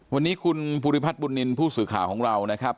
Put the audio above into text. วันนี้คุณภูริพัฒน์บุญนินทร์ผู้สื่อข่าวของเรานะครับ